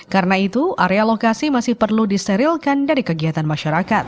karena itu area lokasi masih perlu diserilkan dari kegiatan masyarakat